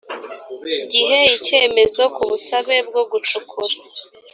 gihe icyemezo ku busabe bwo gucukura